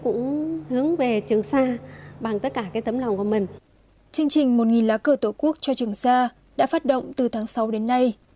chương trình một nghìn lá cờ tổ quốc cho trường xa đã phát động từ tháng sáu đến nay